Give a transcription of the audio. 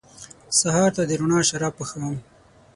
سهار ته د روڼا شراب پخوم